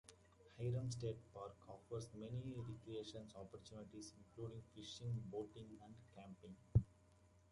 Hyrum State Park offers many recreation opportunities including fishing, boating, and camping.